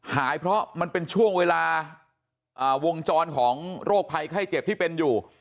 หายเพราะมันเป็นช่วงเวลาวงจรของโรคภัยไข้เจ็บที่เป็นอยู่